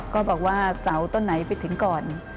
ก็บอกว่าเสาต้นไหนไปถึงก่อน